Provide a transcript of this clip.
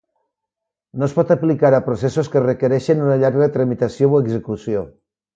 No es pot aplicar a processos que requereixen una llarga tramitació o execució.